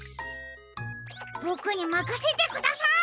ぼくにまかせてください！